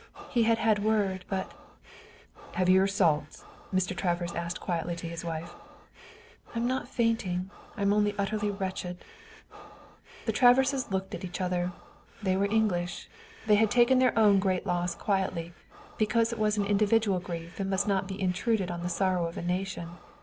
He had had word, but " "Have you your salts?" Mr. Travers asked quietly of his wife. "I'm not fainting. I'm only utterly wretched." The Traverses looked at each other. They were English. They had taken their own great loss quietly, because it was an individual grief and must not be intruded on the sorrow of a nation.